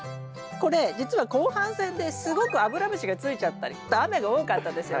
これじつは後半戦ですごくアブラムシがついちゃったり雨が多かったですよね。